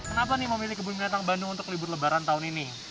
kenapa nih memilih kebun binatang bandung untuk libur lebaran tahun ini